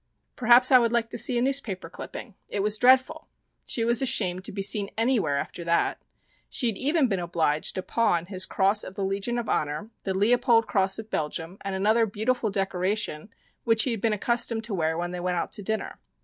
Perhaps I would like to see a newspaper clipping? It was dreadful! She was ashamed to be seen anywhere after that. She had even been obliged to pawn his cross of the Legion of Honor, the Leopold Cross of Belgium, and another beautiful decoration which he had been accustomed to wear when they went out to dinner.